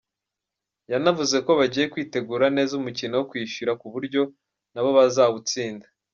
Yanavuze ko bagiye kwitegura neza umukino wo kwishyura ku buryo nabo bazawutsinda.